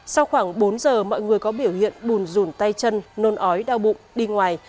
sau khoảng bốn giờ mọi người có biểu hiện bùn rùn tay chân nôn ói đau bụng đi ngoài